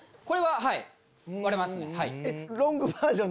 これははい笑いますね。